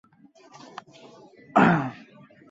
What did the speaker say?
মৃত্যুও তাঁর সাথে প্রতিযোগিতা করতে লাগল।